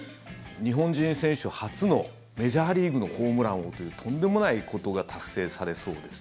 日本人選手初のメジャーリーグのホームラン王というとんでもないことが達成されそうです。